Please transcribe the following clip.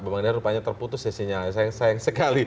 pak bumadir rupanya terputus ya sinyalnya